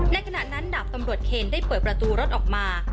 ขณะนั้นดาบตำรวจเคนได้เปิดประตูรถออกมา